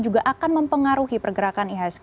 juga akan mempengaruhi pergerakan ihsg